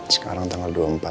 sekarang tanggal dua puluh empat